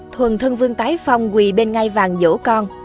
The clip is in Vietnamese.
thuần thân vương tái phong quỳ bên ngay vàng dỗ con